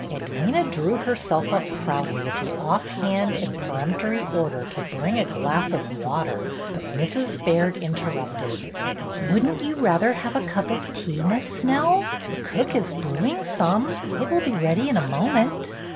Edwyna drew herself up proudly at the off hand and peremptory order to bring a glass of water, but Mrs. Baird interrupted. "Wouldn't you rather have a cup of tea. Miss Snell ? The cook is brewing some. It will be ready in a moment."